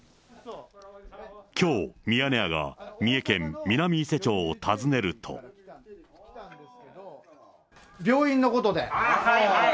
きょう、ミヤネ屋が三重県南伊勢町を訪ねると。ああ、はいはい。